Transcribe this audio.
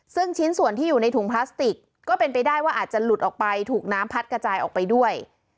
ซึ่งชิ้นส่วนที่อยู่ในถุงพลาสติกก็เป็นไปได้ว่าอาจจะหลุดออกไปถูกน้ำพัดกระจายออกไปด้วย